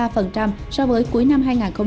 tăng ba ba so với cuối năm hai nghìn hai mươi hai